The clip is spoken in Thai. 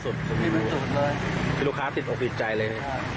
ถึงลูกค้าติดตกติดใจเลย